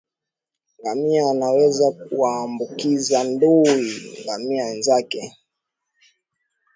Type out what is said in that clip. Ngamia anaweza kuwaambukiza ndui ngamia wenzake